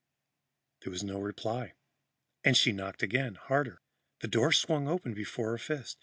There was no reply and she knocked again, harder. The door swung open before her fist.